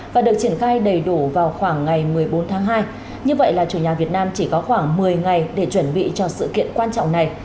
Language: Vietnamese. và được triển khai đầy đủ vào khoảng ngày một mươi bốn tháng hai như vậy là chủ nhà việt nam chỉ có khoảng một mươi ngày để chuẩn bị cho sự kiện quan trọng này